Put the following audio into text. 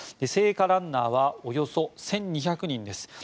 聖火ランナーはおよそ１２００人です。